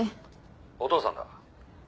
「お父さんだ」何？